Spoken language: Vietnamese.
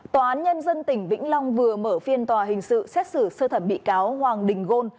tòa án nhân dân tỉnh vĩnh long vừa mở phiên tòa hình sự xét xử sơ thẩm bị cáo hoàng đình gôn